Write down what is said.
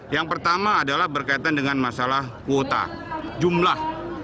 yang pertama adalah berkaitan dengan masalah kuota jumlah